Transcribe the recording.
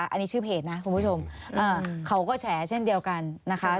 อันนี้ชื่อเพจนะคุณผู้ชมเขาก็แฉเช่นเดียวกันนะคะ